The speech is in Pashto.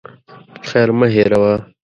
خير مه هېروه.